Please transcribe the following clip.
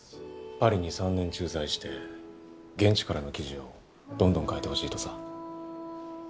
パリに３年駐在して現地からの記事をどんどん書いてほしいとさ。